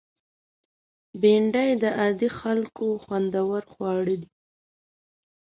بېنډۍ د عادي خلکو خوندور خواړه دي